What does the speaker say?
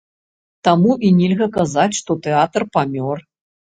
Таму і нельга казаць, што тэатр памёр.